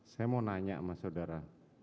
saya mau nanya sama saudara